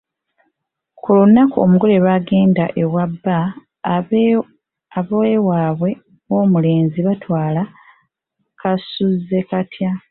Ku lunaku omugole lw’agenda ewa bba; ab’ewaabwe w’omulenzi batwala kaasuzekatya.